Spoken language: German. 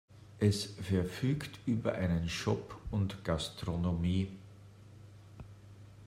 Es verfügt über einen Shop und Gastronomie.